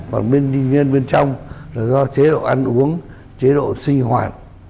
còn bên nhân bên trong là do chế độ ăn uống chế độ sinh hoạt